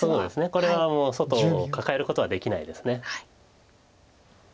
これはもう外をカカえることはできないです。